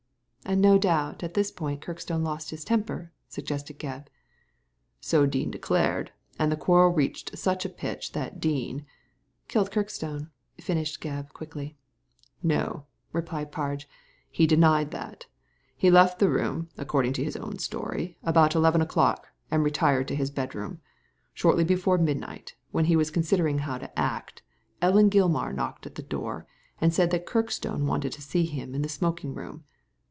"And no doubt at this point Kirkstone lost his temper," sug^sted Gebb. *' So Dean declared ; and the quarrel reached such a pitch that Dean " KiUed Kirkstone," finished Gebb, quickly. « No," replied Parge ;« he denied that He left the room, according to his own story, about eleven o'clock, and retired to his bedroom. Shortly before midnight, when he was considering how to act, Ellen Gilmar knocked at his door and said that Kirkstone wanted to see him in the smoking room.